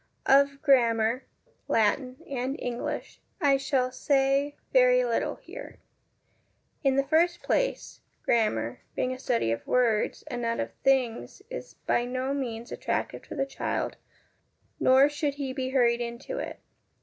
Of 'grammar, Latin and English, I shall say very little here. In the first place, grammar, being a study of words and not of things, is by no means attractive to the child, nor should he be hurried into it.